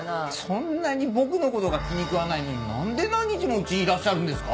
そんなに僕のことが気にくわないのに何で何日もうちにいらっしゃるんですか？